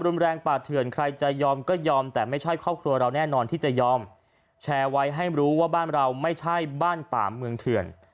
รุนแรงป่าเถื่อนใครจะยอมก็ยอมแต่ไม่ใช่ครอบครัวเราแน่นอนที่จะยอมแชร์ไว้ให้รู้ว่าบ้านเราไม่ใช่บ้านป่าเมืองเถื่อน